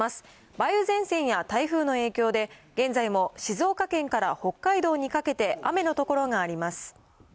梅雨前線や台風の影響で、現在も静岡県から北海道にかけて、雨の所があります。